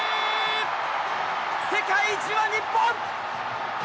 世界一は日本！